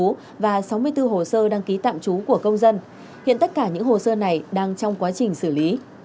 công an phường mễ trì đã tiếp nhận chín hồ sơ đăng ký thường trú và sáu mươi bốn hồ sơ đăng ký thường trú của công dân hiện tất cả những hồ sơ này đang trong quá trình xử lý